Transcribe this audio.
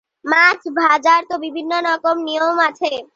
মাছ ভাজার তো বিভিন্ন নিয়ম কানুন আছে।